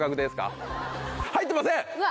入ってません！